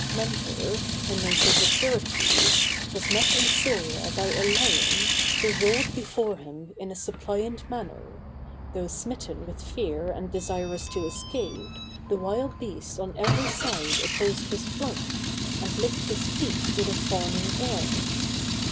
Mentor, a native of Syracuse, was met in Syria by a lion, who rolled before him in a suppliant manner; though smitten with fear and desirous to escape, the wild beast on every side opposed his flight, and licked his feet with a fawning air.